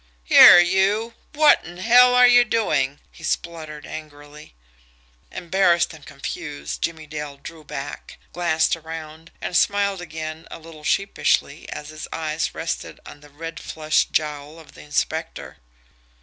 "Here you, what in hell are you doing!" he spluttered angrily. Embarrassed and confused, Jimmie Dale drew back, glanced around, and smiled again a little sheepishly as his eyes rested on the red flushed jowl of the inspector.